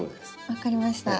分かりました。